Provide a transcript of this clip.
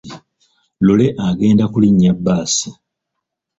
Lule agenda kulinnya bbaasi.